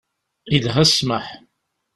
Yelha ssmaḥ.